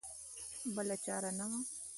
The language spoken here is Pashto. بله چاره نه وه.